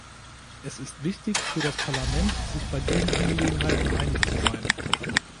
Es ist wichtig für das Parlament, sich bei diesen Angelegenheiten einig zu sein.